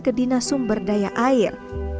ke dinas sumber daya air